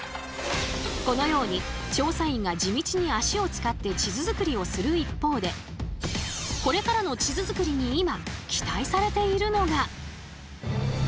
このように調査員が地道に足を使って地図作りをする一方でこれからの地図作りに今期待されているのが。